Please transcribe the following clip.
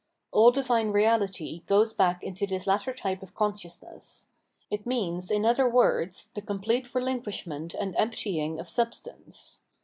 All divine reality goes back into this latter type of consciousness ; it means, in other words, the complete relinquishment and emptying of substance.